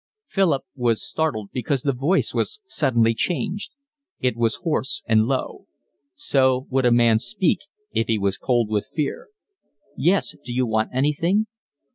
Philip was startled because the voice was suddenly changed. It was hoarse and low. So would a man speak if he was cold with fear. "Yes, d'you want anything?"